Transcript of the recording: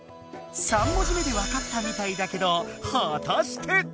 ３文字目でわかったみたいだけどはたして？